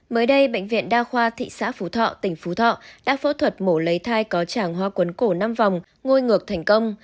mới đây bệnh viện đa khoa thị xã phú thọ tỉnh phú thọ đã phẫu thuật mổ lấy thai có tràng hoa quấn cổ năm vòng ngôi ngược thành công